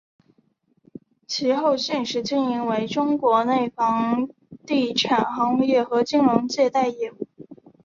其后现时经营为中国内地房地产行业和金融借贷业务。